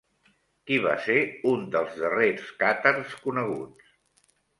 Qui va ser un dels darrers càtars coneguts?